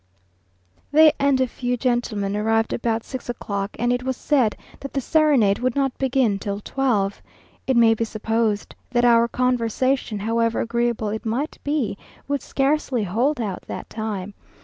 They and a few gentlemen arrived about six o'clock, and it was said that the serenade would not begin till twelve. It may be supposed that our conversation, however agreeable it might be, would scarcely hold out that time.